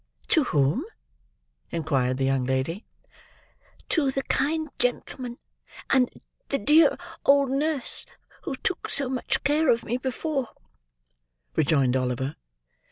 "To whom?" inquired the young lady. "To the kind gentleman, and the dear old nurse, who took so much care of me before," rejoined Oliver.